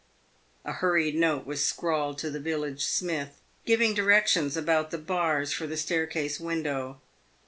A hurried note was scrawled to the village smith, giving directions about the bars for the staircase window.